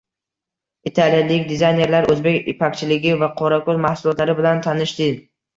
Italiyalik dizaynerlar o‘zbek ipakchiligi va qorako‘l mahsulotlari bilan tanishding